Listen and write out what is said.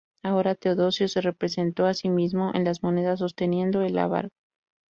Ahora Teodosio se representó a sí mismo en las monedas sosteniendo el lábaro.